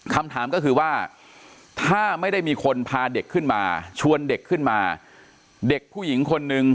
คำถามก็คือว่าถ้าไม่ได้มีคนพาเด็กขึ้นมาชวนเด็กขึ้นมาเด็กผู้หญิงคนนึง